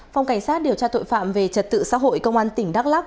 phòng cảnh sát điều tra tội phạm về trật tự xã hội công an tỉnh đắk lắc